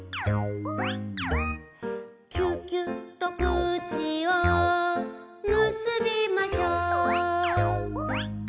「キュキュッと口をむすびましょう」